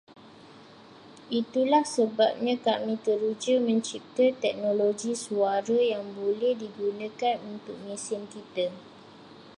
Itulah sebabnya kami teruja mencipta teknologi suara yang boleh digunakan untuk mesin kita